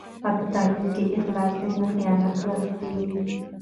که په تعلیم کې اخلاص وي نو خیانت ورکېږي.